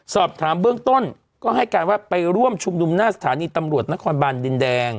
สอบถามเบื้องต้นก็ให้การว่าไปร่วมชุมนุมหน้าสถานีตำรวจนครบันดินแดง